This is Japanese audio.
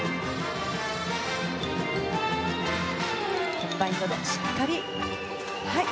コンバインドでしっかり。